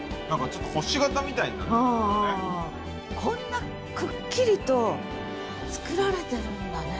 こんなくっきりとつくられてるんだね。